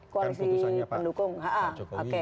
koalisi pendukung ha